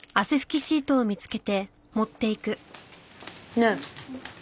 ねえ。